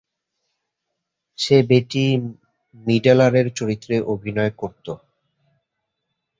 সে Bette মিডলারের চরিত্রে অভিনয় করতো।